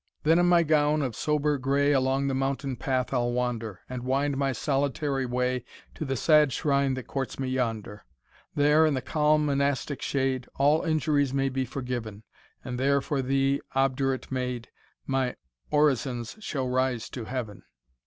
Then in my gown of sober gray Along the mountain path I'll wander, And wind my solitary way To the sad shrine that courts me yonder. There, in the calm monastic shade, All injuries may be forgiven; And there for thee, obdurate maid, My orisons shall rise to heaven.